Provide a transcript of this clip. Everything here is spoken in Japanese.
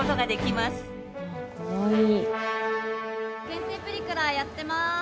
限定プリクラやってます。